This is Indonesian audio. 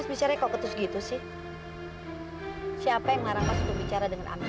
itu pasti ayah